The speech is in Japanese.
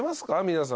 皆さん。